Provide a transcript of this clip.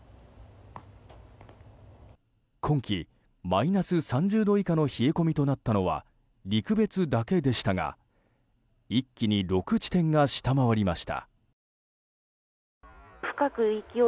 今季マイナス３０度以下の冷え込みとなったのは陸別だけでしたが一気に６地点が下回りました。